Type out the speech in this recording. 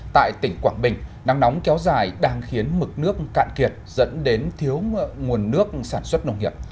tại tỉnh quảng bình nắng nóng kéo dài đang khiến mực nước cạn kiệt dẫn đến thiếu nguồn nước sản xuất nông nghiệp